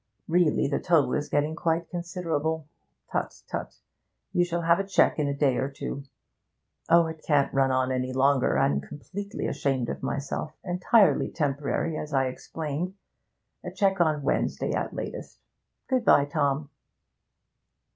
Really, the total is getting quite considerable. Tut, tut! You shall have a cheque in a day or two. Oh, it can't run on any longer; I'm completely ashamed of myself. Entirely temporary as I explained. A cheque on Wednesday at latest. Good bye, Tom.'